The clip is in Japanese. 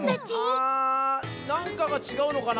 なんかがちがうのかな？